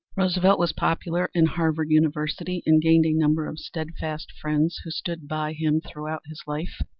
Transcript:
Roosevelt was popular in Harvard University, and gained a number of steadfast friends who stood by him throughout his life.